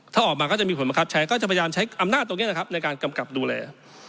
ถ้าออกมาก็จะมีผลบังคับใช้ก็จะพยายามใช้อำนาจตรงนี้นะครับในการกำกับดูแล